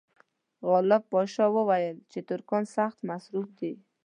غالب پاشا وویل چې ترکان سخت مصروف دي.